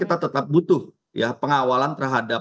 kita tetap butuh ya pengawalan terhadap